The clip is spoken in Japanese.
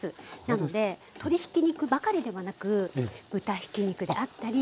なので鶏ひき肉ばかりではなく豚ひき肉であったり。